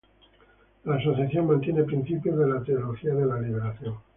La asociación mantiene principios de la Teología de la Liberación.